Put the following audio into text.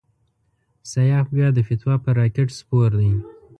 سیاف بیا د فتوی پر راکېټ سپور دی.